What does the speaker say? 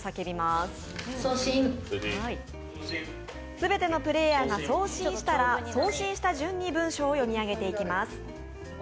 すべてのプレーヤーが送信したら送信した順に文章を読み上げていきます。